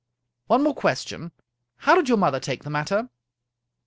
" One more question. How did your mother take the matter?"